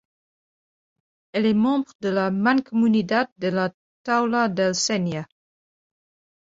Elle est membre de la mancomunidad de la Taula del Sénia.